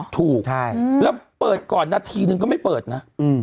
ถูกและเปิดออกก่อนนิดหนึ่งก็ไม่เปิดนะ